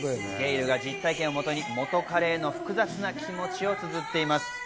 ゲイルが実体験をもとに元カレへの複雑な気持ちをつづっています。